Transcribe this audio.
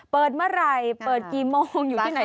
เปิดเมื่อไหร่เปิดกี่โมงอยู่ที่ไหน